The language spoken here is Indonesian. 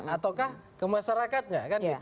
ataukah ke masyarakatnya